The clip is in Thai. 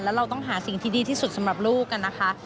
แล้วเราต้องหาสิ่งที่ดีที่สุดสำหรับลูกนะคะ